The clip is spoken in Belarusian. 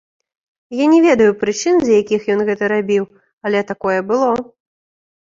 Я не ведаю прычын, з якіх ён гэта рабіў, але такое было.